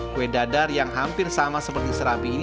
kue dadar yang hampir sama seperti serapi ini